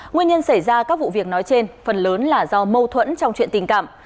nguyên nhân xảy ra các vụ việc nói trên phần lớn là do mâu thuẫn trong chuyện tình cảm